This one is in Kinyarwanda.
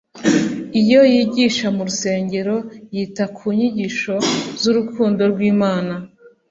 iyo yigisha mu rusengero yita ku nyigisho z’urukundo rw’Imana